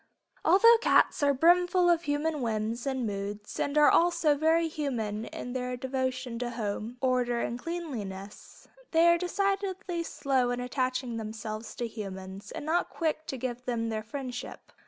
Although cats are brimful of human whims and moods and are also very human in their devotion to home, order and cleanliness, they are decidedly slow in attaching themselves to humans and not quick to give them their friendship.